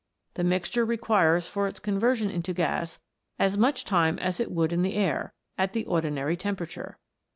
The mixture requires for its con version into gas as much time as it would in the air at the ordinary temperature.